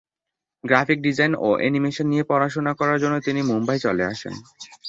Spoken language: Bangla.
গ্রাফিক ডিজাইন ও অ্যানিমেশন নিয়ে পড়াশোনা করার জন্য তিনি মুম্বাই চলে আসেন।